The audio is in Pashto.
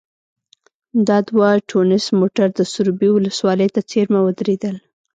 دا دوه ټونس موټر د سروبي ولسوالۍ ته څېرمه ودرېدل.